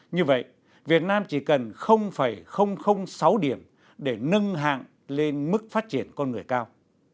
như vậy việt nam chỉ cần sáu điểm để nâng hạng lên mức phát triển con người cao